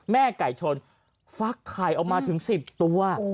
แม่ไก่ชนฟักไข่ออกมาถึง๑๐ตัว